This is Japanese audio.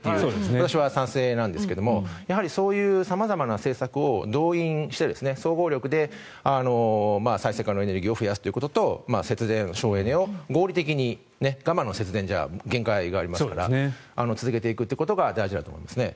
私は賛成なんですがそういう様々な政策を動員して、総合力で再生可能エネルギーを増やすということと節電、省エネを合理的に、我慢の節電じゃ限界がありますから続けていくということが大事だと思いますね。